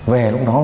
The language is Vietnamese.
về lúc đó là